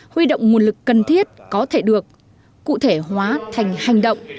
huy động nguồn lực cần thiết có thể được cụ thể hóa thành hành động